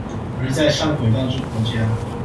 而在上軌道之國家